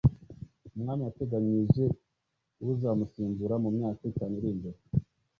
umwami yateganyije uzamusimbura mu myaka itanu irimbere